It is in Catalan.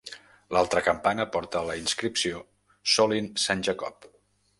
L'altra campana porta la inscripció: Solin - Saint Jacob.